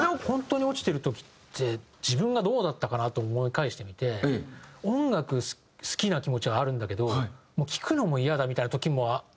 本当に落ちてる時って自分がどうだったかなと思い返してみて音楽好きな気持ちはあるんだけど聴くのもイヤだみたいな時も。